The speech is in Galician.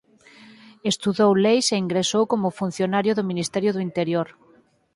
Estudou leis e ingresou como funcionario do Ministerio do Interior.